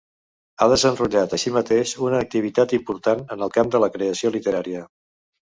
Ha desenrotllat així mateix una activitat important en el camp de la creació literària.